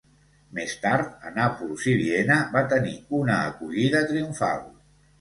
Més tard, a Nàpols i Viena, va tenir una acollida triomfal.